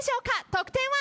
得点は。